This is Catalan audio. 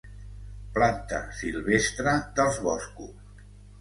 Planta silvestre dels boscos.